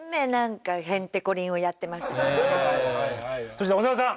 そして長田さん！